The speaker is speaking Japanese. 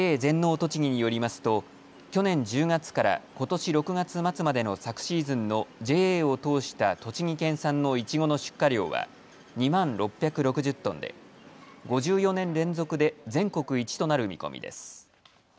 とちぎによりますと去年１０月からことし６月末までの昨シーズンのＪＡを通した栃木県産のいちごの出荷量は２万６６０トンで５４年連続で全国一となる見込みです。